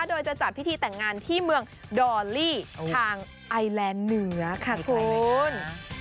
โดยจะจัดพิธีแต่งงานที่เมืองดอลลี่ทางไอแลนด์เหนือค่ะคุณ